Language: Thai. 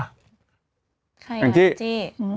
ใครอ่ะจี้